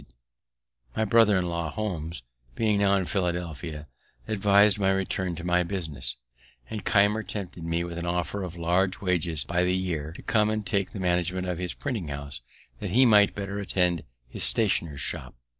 [Illustration: "Mr. Denham took a store in Water street"] My brother in law, Holmes, being now at Philadelphia, advised my return to my business; and Keimer tempted me, with an offer of large wages by the year, to come and take the management of his printing house, that he might better attend his stationer's shop.